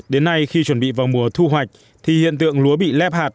đến nay khi chuẩn bị vào mùa thu hoạch thì hiện tượng lúa bị lép hạt